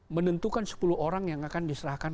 menentukan sepuluh orang yang akan diserahkan